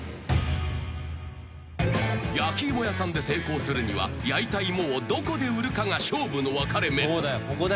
［焼き芋屋さんで成功するには焼いた芋をどこで売るかが勝負の分かれ目］